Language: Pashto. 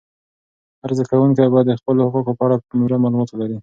هر زده کوونکی باید د خپلو حقوقو په اړه پوره معلومات ولري.